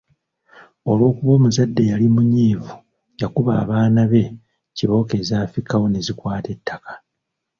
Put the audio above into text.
Olw’okuba omuzadde yali munyiivu, yakuba abaana be kibooko ezaafikkawo ne zikwata ettaka.